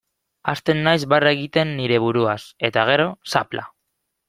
Hasten naiz barre egiten nire buruaz, eta gero, zapla.